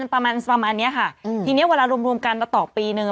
ประมาณเนี่ยค่ะที่เนี่ยเวลารวมรวมกันต่อปีนึง